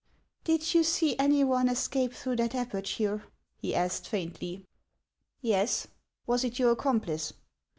" Did you see any one escape through that aperture ?" he asked faintly. " Yes ; was it your accomplice